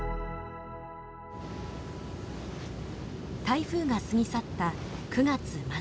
台風が過ぎ去った９月末。